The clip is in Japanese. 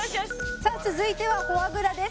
「さあ続いてはフォアグラです。